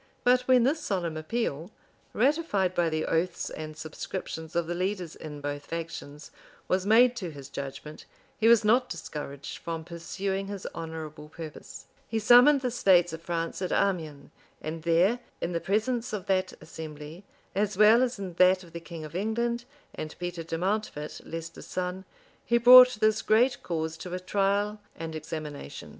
But when this solemn appeal, ratified by the oaths and subscriptions of the leaders in both factions, was made to his judgment, he was not discouraged from pursuing his honorable purpose: he summoned the states of France at Amiens; and there, in the presence of that assembly, as well as in that of the king of England and Peter de Mountfort, Leicester's son, he brought this great cause to a trial and examination.